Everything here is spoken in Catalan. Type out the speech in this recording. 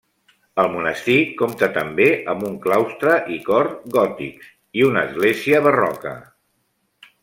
El monestir compta també amb un claustre i cor gòtics, i una església barroca.